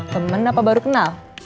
temen apa baru kenal